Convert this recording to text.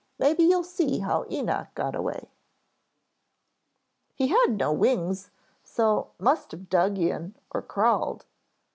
Maybe you'll see how Enoch got away." "He had no wings so must have dug in or crawled."